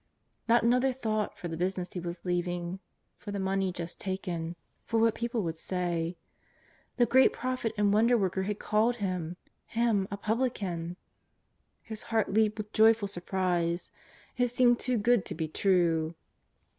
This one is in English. ^ot another thought for the business he was leaving, for the money just taken, for what people would say. The great Prophet and Won derworker had called him — him a publican ! His heart leaped with joyful surprise: It seemed too good to be true.